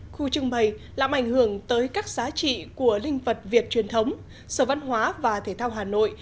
khu trưng bày làm ảnh hưởng tới các giá trị của linh vật việt truyền thống sở văn hóa và thể thao hà nội